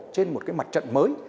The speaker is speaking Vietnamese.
trên một cái mặt trận mới